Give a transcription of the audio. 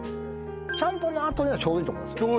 ちゃんぽんのあとにはちょうどいいと思います